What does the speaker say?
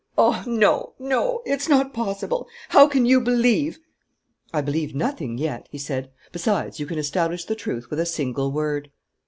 Oh, no, no, it's not possible! How can you believe!" "I believe nothing yet," he said. "Besides, you can establish the truth with a single word."